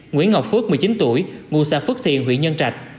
nguyễn ngọc phước một mươi chín tuổi ngu sa phước thiền huyện nhân trạch